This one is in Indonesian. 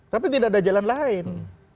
tapi tidak ada jalan lain